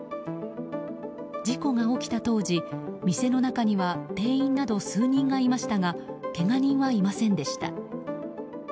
事故が起きた当時、店の中には店員など数人がいましたがけが人はいませんでした。